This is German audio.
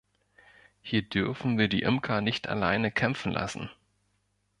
Hier dürfen wir die Imker nicht alleine kämpfen lassen.